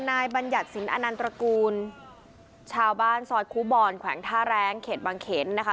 นายบรรยัติศิลป์อนันตรกูลชาวบ้านซอสคุบรแขวงทาแรงเขตบังเข็นนะคะ